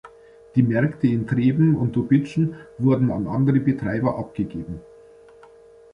Die Märkte in Treben und Dobitschen wurden an andere Betreiber abgegeben.